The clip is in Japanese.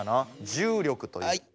重力という。